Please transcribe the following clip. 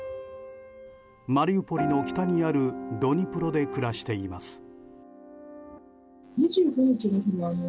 マリウポリの北にあるドニプロで暮らしています。